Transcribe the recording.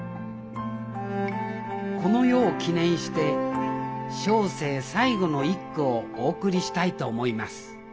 この夜を記念して小生最後の一句をお送りしたいと思います。